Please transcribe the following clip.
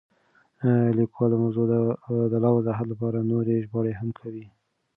لیکوال د موضوع د لا وضاحت لپاره نورې ژباړې هم کوي.